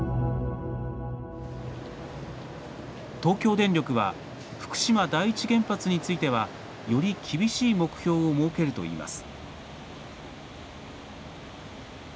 東京電力は福島第一原発についてはより厳しい目標を設けるといいます。